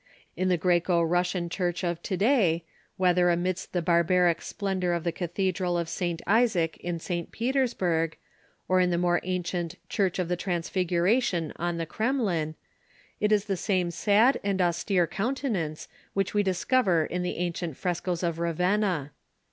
In the Groeco Russian Church of to day, whether amidst the barbaric splendor of the Cathedral of St. Isaac in St. Petersburg, or in the more an cient Church of the Transfiguration on the Kremlin, it is the same sad and austere countenance which we discover in the ancient frescos of Ravenna.